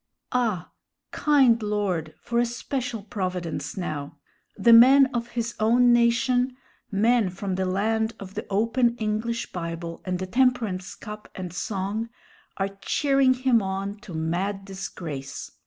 Ah! kind Lord, for a special providence now! The men of his own nation men from the land of the open English Bible and temperance cup and song are cheering him on to mad disgrace.